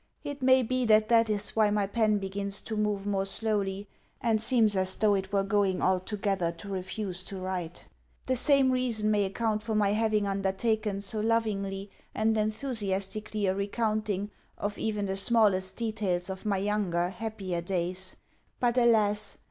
It may be that that is why my pen begins to move more slowly, and seems as though it were going altogether to refuse to write. The same reason may account for my having undertaken so lovingly and enthusiastically a recounting of even the smallest details of my younger, happier days. But alas!